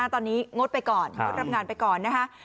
ตอนนี้งดไปก่อนงดรับงานไปก่อนนะคะ